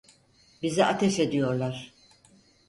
Bize ateş ediyorlar!